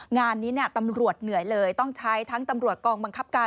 งานนี้ตำรวจเหนื่อยเลยต้องใช้ทั้งตำรวจกองบังคับการ